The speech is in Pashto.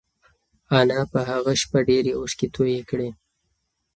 انا په هغه شپه ډېرې اوښکې تویې کړې.